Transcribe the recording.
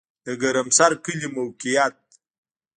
د ګرمسر کلی موقعیت